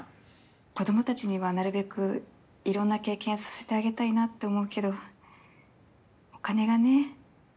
子供たちにはなるべくいろんな経験させてあげたいなって思うけどお金がね。